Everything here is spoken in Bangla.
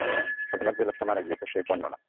অথবা যে লোকটা মারা গিয়েছে সে কর্ণ না।